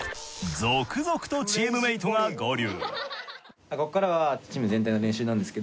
続々とチームメイトが合流。